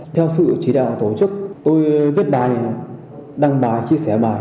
theo sự chỉ đạo của tổ chức tôi viết bài đăng bài chia sẻ bài